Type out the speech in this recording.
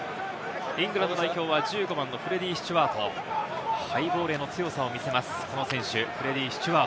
イングランド代表は１５番のフレディー・スチュワード、ハイボールへの強さを見せます。